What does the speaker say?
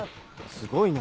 すごいな。